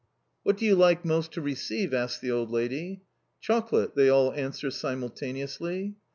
"What do you like most to receive?" asks the old lady. "Chocolate," they all answer simultaneously.